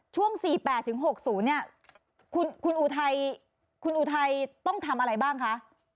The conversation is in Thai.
ช่วง๔๘๖๐เนี่ยคุณอุทัยต้องทำอะไรบ้างคะ